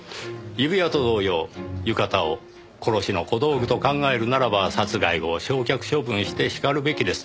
指輪と同様浴衣を殺しの小道具と考えるならば殺害後焼却処分してしかるべきです。